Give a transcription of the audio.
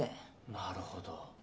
なるほど。